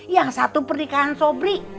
yang satu pernikahan sobri